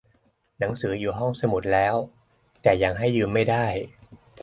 หนังสืออยู่ห้องสมุดแล้ว แต่ยังให้ยืมไม่ได้